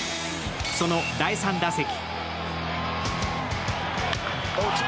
その第３打席。